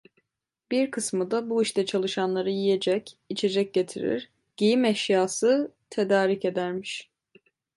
Bir kısmı da bu işte çalışanlara yiyecek, içecek getirir, giyim eşyası tedarik edermiş.